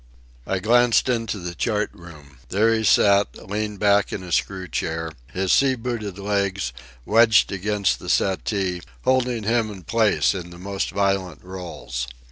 I glanced into the chart room. There he sat, leaned back in a screw chair, his sea booted legs, wedged against the settee, holding him in place in the most violent rolls.